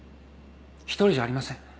一人じゃありません。